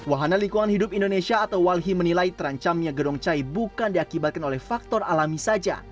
wahana lingkungan hidup indonesia atau walhi menilai terancamnya gedong cai bukan diakibatkan oleh faktor alami saja